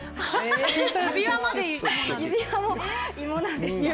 指輪まで芋なんですね。